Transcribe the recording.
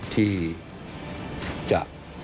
ที่จะ